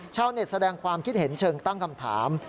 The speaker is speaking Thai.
ชาวเน็ตแสดงความคิดเห็นเชิงตั้งคำถาม